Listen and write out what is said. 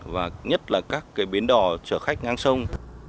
và nhất là các bến đò chở khách ngang sông